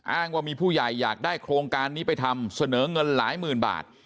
อ้างว่ามีผู้ใหญ่อยากได้โครงการนี้ไปทำเสนอเงินหลายหมื่นบาท